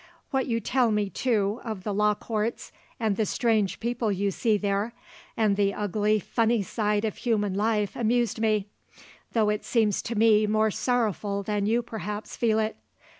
What you tell me, too, of the law courts and the strange people you see there, and the ugly, funny side of human life amused me, though it seems to me more sorrowful than you perhaps feel it.